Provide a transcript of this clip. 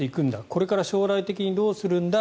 これから将来的にどうするんだ。